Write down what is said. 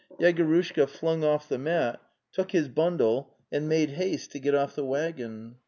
Yego rushka flung off the mat, took his bundle and made haste to get off the waggon.